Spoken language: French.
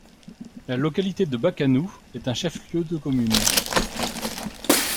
La localité de Bakanou est un chef-lieu de commune.